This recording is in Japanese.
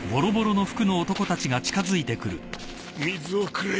水をくれ。